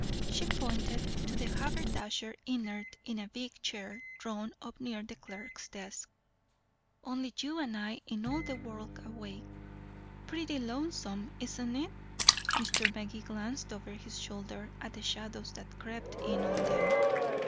She pointed to the haberdasher inert in a big chair drawn up near the clerk's desk. "Only you and I in all the world awake." "Pretty lonesome, isn't it?" Mr. Magee glanced over his shoulder at the shadows that crept in on them.